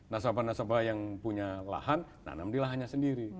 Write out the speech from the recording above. nasabah nasabah yang punya lahan nanam di lahannya sendiri